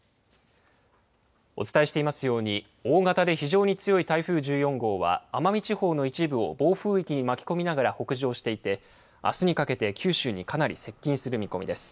お伝えしていますように大型で非常に強い台風１４号は奄美地方の一部を暴風域に巻き込みながら北上していてあすにかけて九州にかなり接近する見込みです。